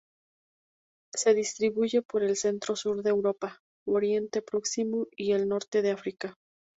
Se distribuye por el centro-sur de Europa, Oriente Próximo y el norte de África.